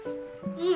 うん。